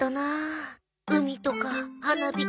海とか花火とか。